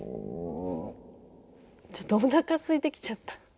ちょっとおなかすいてきちゃった。